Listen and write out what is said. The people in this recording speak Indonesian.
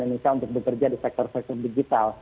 indonesia untuk bekerja di sektor sektor digital